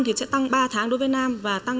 và tăng năm tháng đối với người lao động